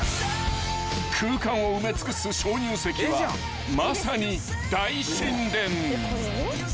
［空間を埋め尽くす鍾乳石はまさに大神殿］